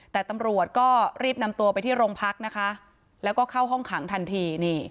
แต่ตำรวจก็รีบนำตัวไปที่โรงพักนะคะแล้วก็เข้าห้องขังทันที